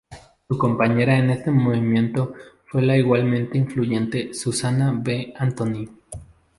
Su compañera en este movimiento fue la igualmente influyente Susan B. Anthony.